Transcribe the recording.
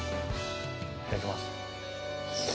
いただきます。